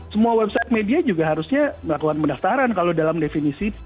semua website media juga harusnya melakukan pendaftaran kalau dalam definisi